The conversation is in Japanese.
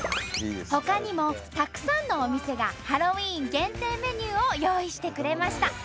ほかにもたくさんのお店がハロウィーン限定メニューを用意してくれました。